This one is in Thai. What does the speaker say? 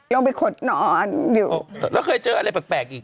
ลงไปขดนอนอยู่แล้วเคยเจออะไรแปลกอีก